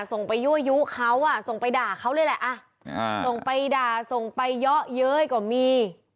ส่งไปยั่วยุเขาอ่ะส่งไปด่าเขาเลยแหละส่งไปด่าส่งไปเยอะเย้ยก็มี